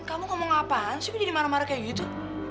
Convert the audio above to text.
kamu ngomong apaan sih kok jadi marah marah kayak gitu